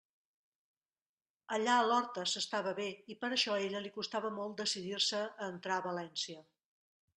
Allà a l'horta s'estava bé, i per això a ella li costava molt decidir-se a entrar a València.